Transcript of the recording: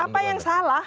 apa yang salah